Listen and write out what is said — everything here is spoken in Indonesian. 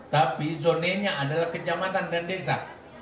tapi zonanya adalah kecamatan dan desa